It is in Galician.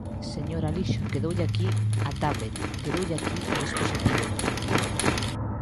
Señor Alixo, quedoulle aquí a tablet, quedoulle aquí o dispositivo.